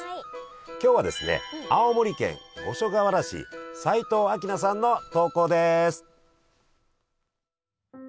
今日はですね青森県五所川原市斉藤明奈さんの投稿です。